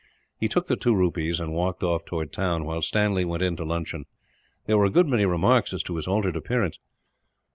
He took the two rupees and walked off towards the town, while Stanley went in to luncheon. There were a good many remarks as to his altered appearance.